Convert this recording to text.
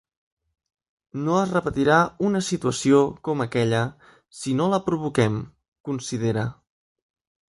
No es repetirà una situació com aquella si no la provoquem, considera.